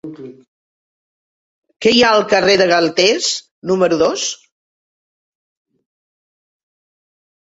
Què hi ha al carrer de Galtés número dos?